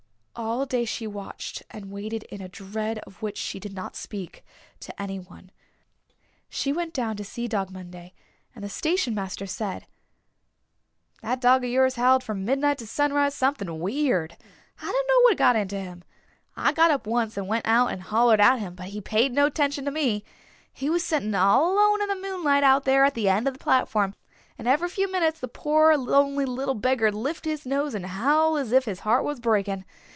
All day she watched and waited in a dread of which she did not speak to anyone. She went down to see Dog Monday and the station master said, "That dog of yours howled from midnight to sunrise something weird. I dunno what got into him. I got up once and went out and hollered at him but he paid no 'tention to me. He was sitting all alone in the moonlight out there at the end of the platform, and every few minutes the poor lonely little beggar'd lift his nose and howl as if his heart was breaking.